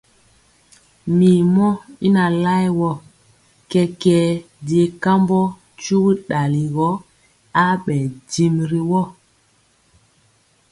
Mirmɔ y na laɛ wɔ, kɛkɛɛ je kambɔ tyugi dali gɔ abɛɛ dimi ri woo.